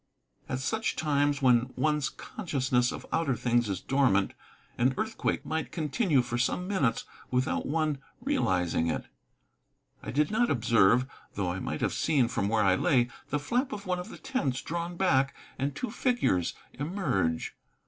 At such times, when one's consciousness of outer things is dormant, an earthquake might continue for some minutes without one realizing it. I did not observe, though I might have seen from where I lay, the flap of one of the tents drawn back and two figures emerge.